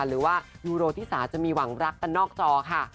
หรือว่ายูโรธิสาจะมีหวังรักกันนอกจอค่ะ